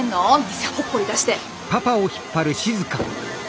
店ほっぽり出して！